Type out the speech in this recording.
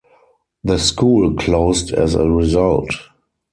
The school closed as a result.